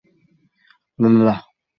তিনি তা শুরু করেন ও শেষ পর্যন্ত টিকেছিল।